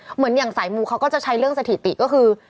เหมือนอย่างสายมูเขาก็จะใช้เรื่องสถิติก็คือ